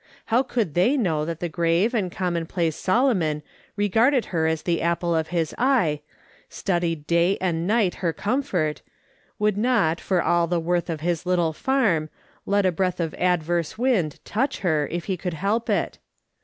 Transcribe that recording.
How could they know that the grave and commonplace Solomon regarded her as the apple of his eye, studied day and night her comfort, would not, for all the worth of his little farm, let a breath of adverse wind touch her if he could help it